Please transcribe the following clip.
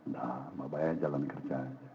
pak baya jalan kerja